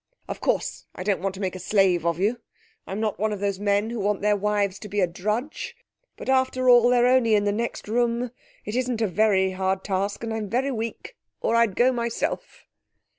Of course I don't want to make a slave of you. I'm not one of those men who want their wives to be a drudge. But, after all, they're only in the next room. It isn't a very hard task! And I'm very weak, or I'd go myself.'